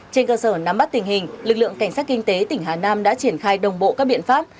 trên cơ sở nắm bắt tình hình lực lượng cảnh sát kinh tế tỉnh hà nam đã triển khai đồng bộ các biện pháp